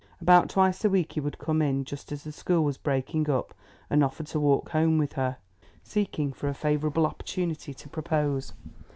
About twice a week he would come in just as the school was breaking up and offer to walk home with her, seeking for a favourable opportunity to propose.